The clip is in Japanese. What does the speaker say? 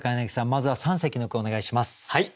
まずは三席の句をお願いします。